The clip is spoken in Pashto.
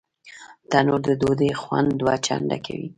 تنور د ډوډۍ خوند دوه چنده کوي